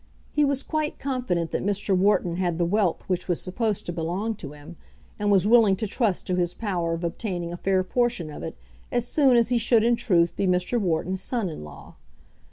He was quite confident that Mr. Wharton had the wealth which was supposed to belong to him, and was willing to trust to his power of obtaining a fair portion of it as soon as he should in truth be Mr. Wharton's son in law.